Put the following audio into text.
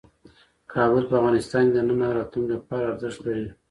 کابل په افغانستان کې د نن او راتلونکي لپاره ارزښت لري.